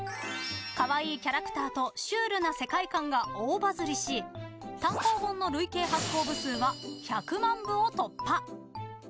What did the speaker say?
かわいいキャラクターとシュールな世界観が大バズリし単行本の累計発行部数は１００万部を突破。